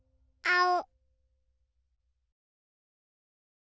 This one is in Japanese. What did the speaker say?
あお？